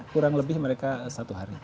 kurang lebih mereka satu hari